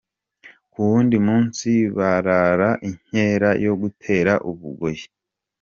Ku wundi munsi barara inkera yo gutera u Bugoyi.